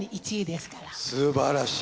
すばらしい！